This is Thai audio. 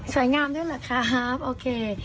สวยงามด้วยหรือครับโอเค